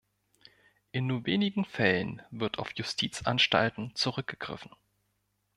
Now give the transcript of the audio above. In nur wenigen Fällen wird auf Justizanstalten zurückgegriffen.